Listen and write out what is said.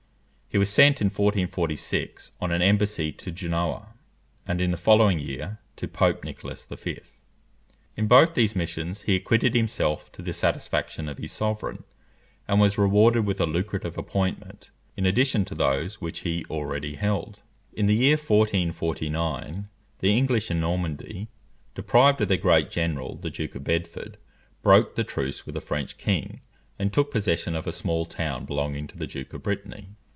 He was sent, in 1446, on an embassy to Genoa, and in the following year to Pope Nicholas V. In both these missions he acquitted himself to the satisfaction of his sovereign, and was rewarded with a lucrative appointment, in addition to those which he already held. In the year 1449, the English in Normandy, deprived of their great general, the Duke of Bedford, broke the truce with the French king, and took possession of a small town belonging to the Duke of Brittany.